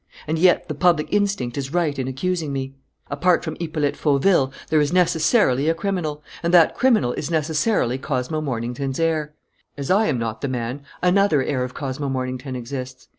And yet the public instinct is right in accusing me. "Apart from Hippolyte Fauville, there is necessarily a criminal; and that criminal is necessarily Cosmo Mornington's heir. As I am not the man, another heir of Cosmo Mornington exists.